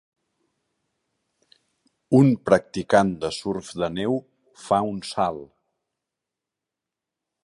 un practicant de surf de neu fa un salt.